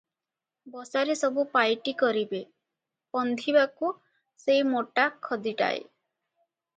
ବସାରେ ସବୁ ପାଇଟି କରିବେ, ପନ୍ଧିବାକୁ ସେଇ ମୋଟା ଖଦିଟାଏ ।